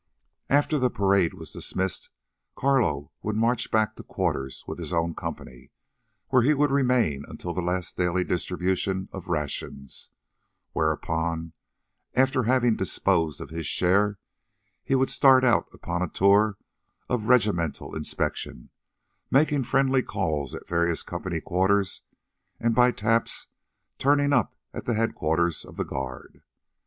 After the parade was dismissed Carlo would march back to quarters with his own company, where he would remain until the last daily distributions of rations, whereupon, after having disposed of his share, he would start out upon a tour of regimental inspection, making friendly calls at various company quarters and by taps turning up at the headquarters of the guard.